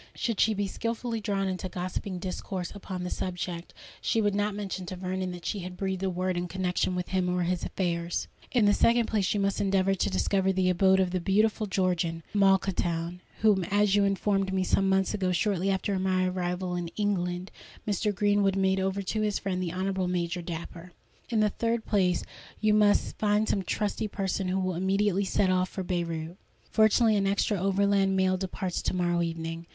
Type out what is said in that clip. Should she be skilfully drawn into gossiping discourse upon the subject, she would not mention to Vernon that she had breathed a word in connexion with him or his affairs. "In the second place, you must endeavour to discover the abode of the beautiful Georgian, Malkhatoun, whom, as you informed me some months ago—shortly after my arrival in England—Mr. Greenwood made over to his friend the Honourable Major Dapper. "In the third place you must find some trusty person who will immediately set off for Beyrout. Fortunately, an extra Overland Mail departs to morrow evening.